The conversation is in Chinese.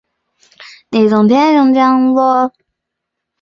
本部朝勇年少的时候便跟随父亲本部按司朝真学习祖传的拳法。